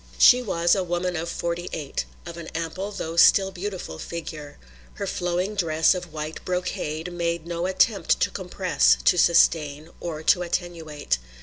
She was a woman of forty eight, of an ample though still beautiful figure. Her flowing dress of white brocade made no attempt to compress, to sustain or to attenuate.